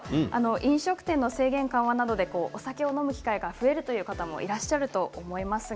飲食店の制限緩和などでお酒を飲む機会も増える方もいらっしゃると思います。